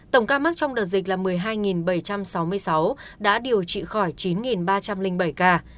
tổng ca mắc trong đợt dịch là một mươi hai bảy trăm sáu mươi sáu đã điều trị khỏi chín ba trăm linh bảy ca